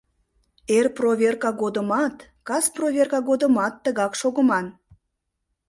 Эр проверка годымат, кас проверка годымат тыгак шогыман.